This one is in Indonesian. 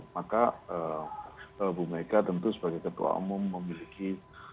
maka bu mega tentu sebagai ketua umum memiliki